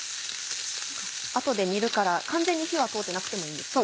後で煮るから完全に火は通ってなくてもいいんですね？